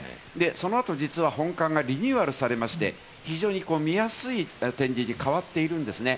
その後、実は本館がリニューアルされまして、非常に見やすい展示に変わっているんですね。